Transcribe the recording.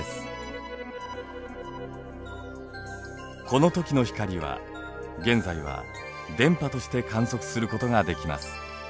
このときの光は現在は電波として観測することができます。